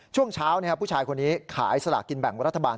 ช่วงเช้าผู้ชายคนนี้ขายสลากกินแบ่งรัฐบาล